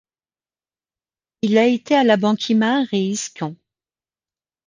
Il a été à la banque İmar et İskan.